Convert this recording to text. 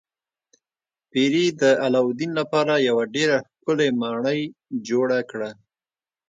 پیري د علاوالدین لپاره یوه ډیره ښکلې ماڼۍ جوړه کړه.